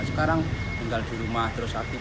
sekarang tinggal di rumah terus aktif